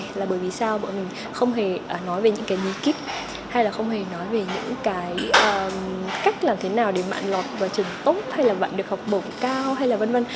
tại sao bọn mình không hề nói về những cái nhí kíp hay là không hề nói về những cái cách làm thế nào để mạng lọt vào trường tốt hay là bạn được học bổng cao hay là v v